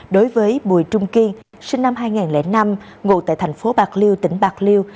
đối với bùi trung kiên sinh năm hai nghìn năm ngụ tại thành phố bạc liêu tỉnh bạc liêu